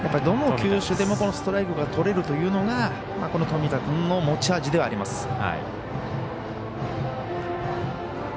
どの球種でもストライクがとれるというのが冨田君の持ち味ではあります。